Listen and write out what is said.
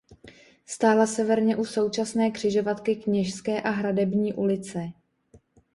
Stála severně u současné křižovatky Kněžské a Hradební ulice.